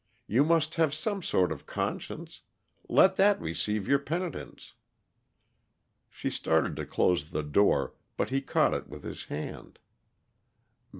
You must have some sort of conscience let that receive your penitence." She started to close the door, but he caught it with his hand.